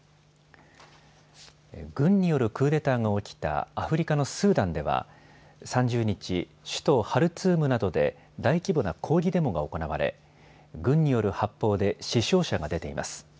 軍によるクーデターが起きたアフリカのスーダンでは３０日、首都ハルツームなどで大規模な抗議デモが行われ軍による発砲で死傷者が出ています。